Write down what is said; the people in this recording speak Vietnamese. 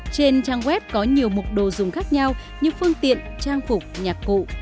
trên trang web có nhiều mục đồ dùng khác nhau như phương tiện trang phục nhạc cụ